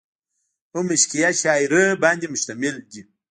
هم عشقيه شاعرۍ باندې مشتمل دي ۔